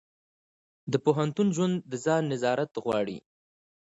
د پوهنتون ژوند د ځان نظارت غواړي.